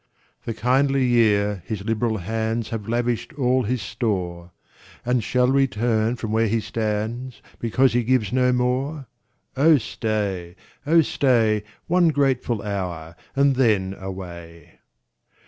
36 POEMS. The kindly year, his liberal hands Have lavished all his store. And shall we turn from where he stands, Because he gives no more? Oh stay, oh stay, One grateful hotir, and then away.